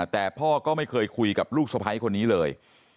แต่พ่อก็ไม่เคยคุยกับลูกสะพ้ายคนนี้เลย